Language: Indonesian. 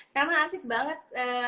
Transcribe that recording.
karena asik banget